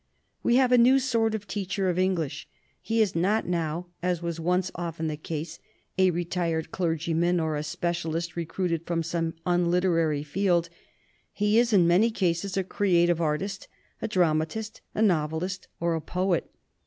"We have a new sort of teacher of English. He is not now (as was once often the case) a re tired clergyman, or a specialist recruited from some unliterary field. He is, in many cases, a creative artist, a dramatist, a novelist, or a poet.